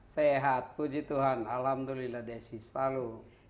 sehat puji tuhan alhamdulillah desi selalu